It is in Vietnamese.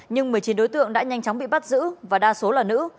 nhưng một mươi chín đối tượng đã nhanh chóng bị bắt giữ và đa số là nữ